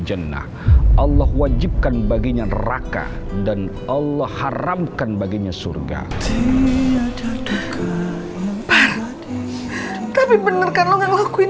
jenak allah wajibkan baginya neraka dan allah haramkan baginya surga jadi bener kan lo ngelakuin